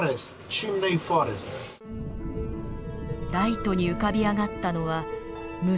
ライトに浮かび上がったのは無数の柱。